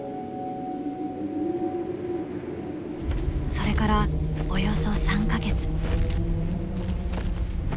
それからおよそ３か月。